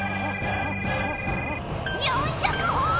４００ほぉ！